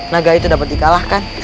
naga itu dapat dikalahkan